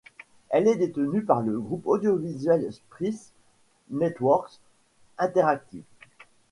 Elle est détenue par le groupe audiovisuel Scripps Networks Interactive.